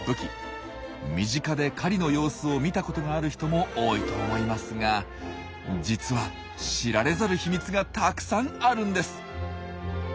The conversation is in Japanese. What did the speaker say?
身近で狩りの様子を見たことがある人も多いと思いますが実は知られざる秘密がたくさんあるんです。